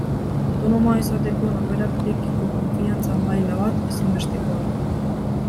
Autonomoa izateko norberarekiko konfiantza maila bat ezinbestekoa da.